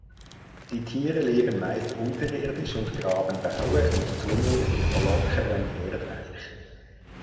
Die Tiere leben meist unterirdisch und graben Baue und Tunnel in lockerem Erdreich.